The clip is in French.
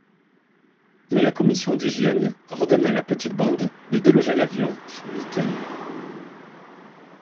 Mais la commission d'hygiène ordonne à la petite bande de déloger l'avion sous huitaine.